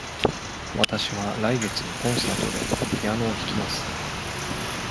わたしは来月のコンサートでピアノを弾きます。